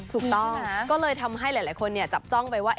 ถูกต้องก็เลยทำให้หลายคนจับจ้องไปว่า